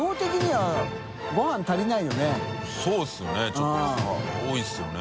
ちょっと多いですよね